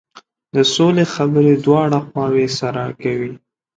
د سولې خبرې دواړه خواوې سره کوي.